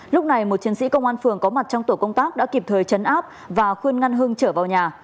lúc này một chiến sĩ công an phường có mặt trong tổ công tác đã kịp thời chấn áp và khuyên ngăn hưng trở vào nhà